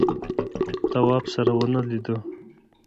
تواب سره ونه ولیده.